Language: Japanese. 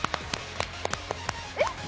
えっ？